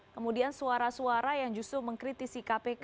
kemudian suara suara yang justru mengkritisi kpk